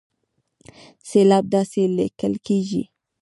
سېلاب داسې ليکل کېږي